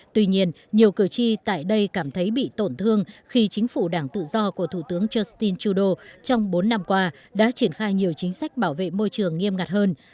tuy nhiên nhiều cử tri tại đây cảm thấy bị tổn thương khi chính phủ đảng tự do của thủ tướng justin trudeau trong bốn năm qua đã triển khai nhiều chính sách bảo vệ môi trường nghiêm ngặt hơn